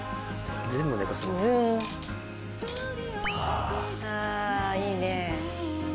ああいいね。